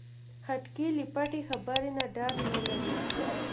خټکی له پټې خبرې نه ډار نه لري.